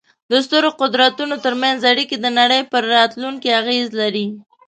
د سترو قدرتونو ترمنځ اړیکې د نړۍ پر راتلونکې اغېز لري.